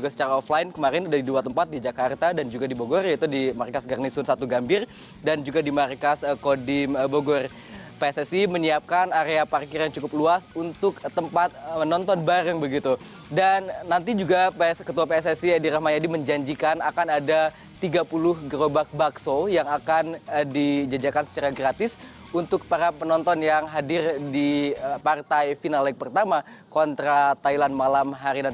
saya juga berjanjikan akan ada tiga puluh gerobak bakso yang akan dijajakan secara gratis untuk para penonton yang hadir di partai final leg pertama kontra thailand malam hari nanti